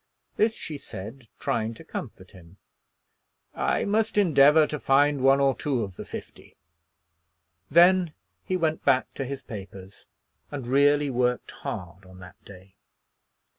This she said trying to comfort him. "I must endeavor to find one or two of the fifty." Then he went back to his papers, and really worked hard on that day.